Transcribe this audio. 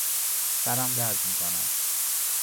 سرم درد میکند